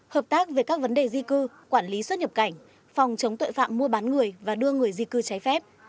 hợp tác về các vấn đề di cư quản lý xuất nhập cảnh phòng chống tội phạm mua bán người và đưa người di cư trái phép